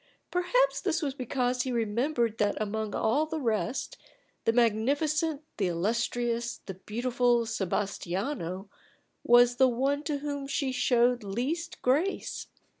Perhaps this was because he remembered that among all the rest, the magnificent, the illustrious, the beautiful Sebastiano was the one to whom she showed least grace.